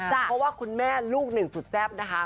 เพราะว่าคุณแม่ลูกหนึ่งสุดแซ่บนะคะ